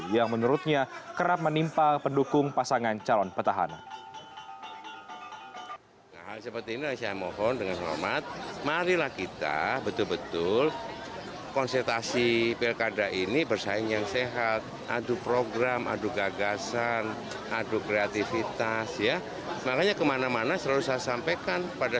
yang menurutnya kerap menimpa pendukung pasangan calon petahana